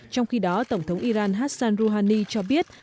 trong khi đó tổng thống iran hassan rouhani cho biết